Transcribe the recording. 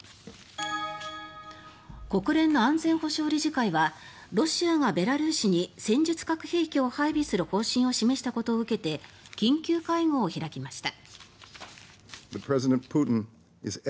国連の安全保障理事会はロシアがベラルーシに戦術核兵器を配備する方針を示したことを受けて緊急会合を開きました。